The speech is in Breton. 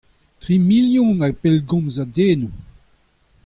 Tri million a bellgomzadennoù.